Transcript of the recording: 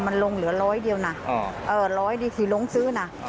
มันลงเหลือร้อยเดียวนะร้อยดีที่ลงซื้อนะ